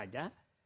dan kita berubah